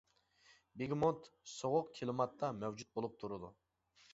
بېگېموت سوغۇق كىلىماتتا مەۋجۇت بولۇپ تۇرىدۇ.